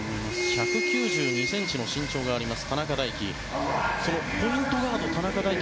１９２ｃｍの身長があります、田中大貴。